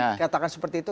bisa dikatakan seperti itu